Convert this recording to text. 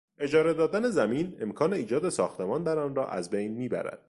اجاره دادن زمین امکان ایجاد ساختمان در آنرا از بین میبرد.